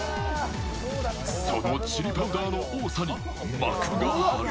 そのチリパウダーの多さに膜が張る。